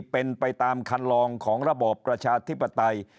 เป็นไปตามคันลองของระบอบประชาธิปไตย